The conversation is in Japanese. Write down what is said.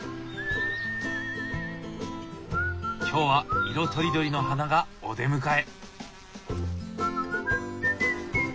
今日は色とりどりの花がお出迎え。